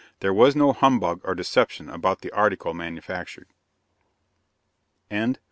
There was no humbug or deception about the article manufactured.